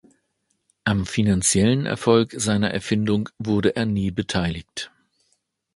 Am finanziellen Erfolg seiner Erfindung wurde er nie beteiligt.